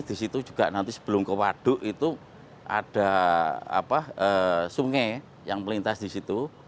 di situ juga nanti sebelum ke waduk itu ada sungai yang melintas di situ